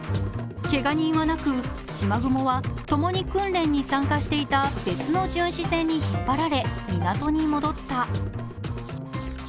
けが人はなく「しまぐも」は共に訓練に参加していた別の巡視船に引っ張られ、港に戻った。